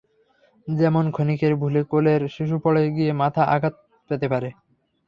যেমন ক্ষণিকের ভুলে কোলের শিশু পড়ে গিয়ে মাথায় আঘাত পেতে পারে।